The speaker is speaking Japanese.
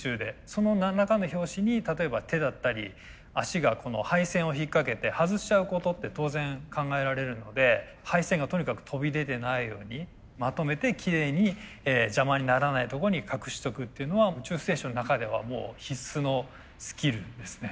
その何らかの拍子に例えば手だったり足が配線を引っ掛けて外しちゃうことって当然考えられるので配線がとにかく飛び出てないようにまとめてきれいに邪魔にならない所に隠しとくっていうのは宇宙ステーションの中ではもう必須のスキルですね。